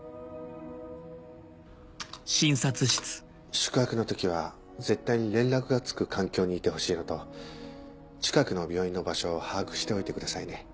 宿泊の時は絶対に連絡がつく環境にいてほしいのと近くの病院の場所を把握しておいてくださいね。